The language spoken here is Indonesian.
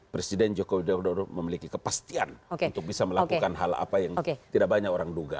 presiden joko widodo memiliki kepastian untuk bisa melakukan hal apa yang tidak banyak orang duga